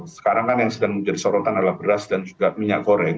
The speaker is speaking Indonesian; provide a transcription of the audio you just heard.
sekarang kan yang sedang menjadi sorotan adalah beras dan juga minyak goreng